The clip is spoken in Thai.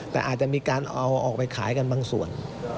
แต่อาจจะมีการเอาออกไปขายกันบางส่วน